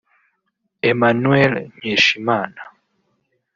Emmanuel Nkeshimana